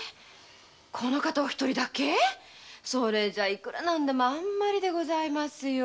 この方がお一人だけそれじゃいくら何でもあんまりでございますよ。